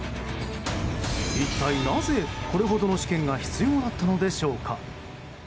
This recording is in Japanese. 一体なぜ、これほどの試験が必要だったのでしょうか。